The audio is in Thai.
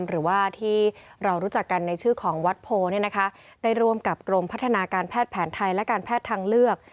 หรือว่าที่เรารู้จักกันในชื่อของวัดโพได้ร่วมกับกรมพัฒนาการแพทย์แผนไทยและการแพทย์ทางเลือก